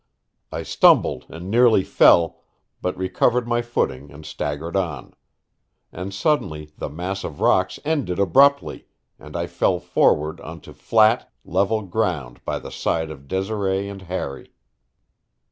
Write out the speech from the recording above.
I stumbled and nearly fell, but recovered my footing and staggered on. And suddenly the mass of rocks ended abruptly, and I fell forward onto flat, level ground by the side of Desiree and Harry.